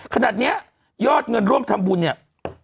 ขนาดนี้ยอดเงินร่วมทำบุญเนี่ย